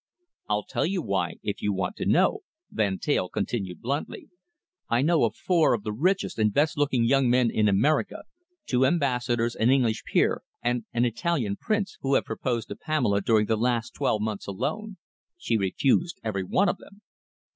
"I'll tell you why, if you want to know," Van Teyl continued bluntly. "I know of four of the richest and best looking young men in America, two ambassadors, an English peer, and an Italian prince, who have proposed to Pamela during the last twelve months alone. She refused every one of them."